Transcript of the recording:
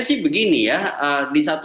sih begini ya di satu